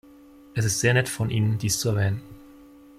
Es ist sehr nett von Ihnen, dies zu erwähnen.